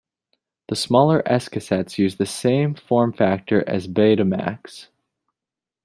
The smaller S cassettes use the same form factor as Betamax.